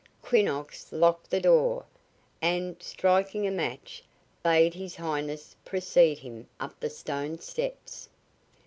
Quinnox locked the door, and, striking a match, bade His Highness precede him up the stone steps.